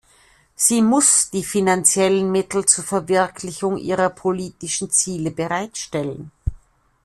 Sie muss die finanziellen Mittel zur Verwirklichung ihrer politischen Ziele bereitstellen.